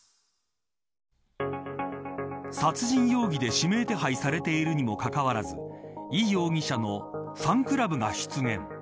殺人容疑で指名手配されているにもかかわらずイ容疑者のファンクラブが出現。